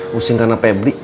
pusing karena pebri